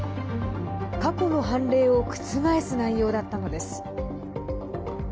過去の判例を覆す内容だったのです。